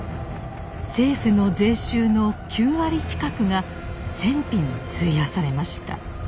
政府の税収の９割近くが戦費に費やされました。